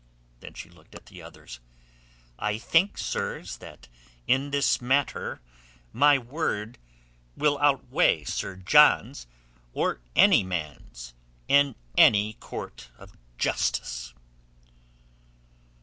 Then she looked at the others. "I think, sirs, that in this matter my word will outweigh Sir John's or any man's in any court of justice."